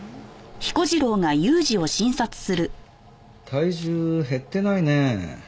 体重減ってないね。